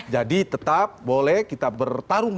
jadi tetap boleh kita bertarung